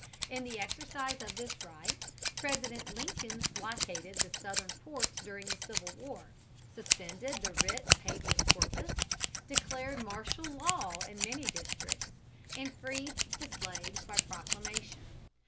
In the exercise of this right President Lincoln blockaded the southern ports during the Civil War, suspended the writ of habeas corpus, declared martial law in many districts, and freed the slaves by proclamation.